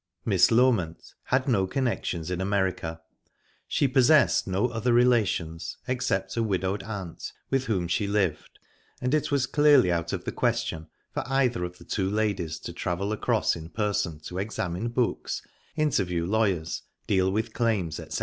Miss Loment had no connections in America, she possessed no other relations, except a widowed aunt, with whom she lived, and it was clearly out of the question for either of the two ladies to travel across in person, to examine books, interview lawyers, deal with claims, etc.